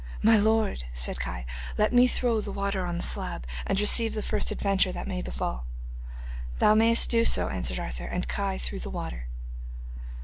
'My lord,' said Kai, 'let me throw the water on the slab, and receive the first adventure that may befall.' 'Thou mayest do so,' answered Arthur, and Kai threw the water.